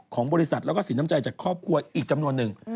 ของบริษัทแล้วก็สินน้ำใจจากครอบครัวอีกจำนวนหนึ่ง